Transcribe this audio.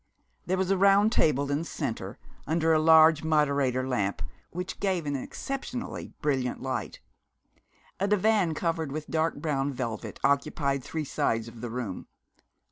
There was a round table in the centre, under a large moderator lamp which gave an exceptionally brilliant light. A divan covered with dark brown velvet occupied three sides of the room.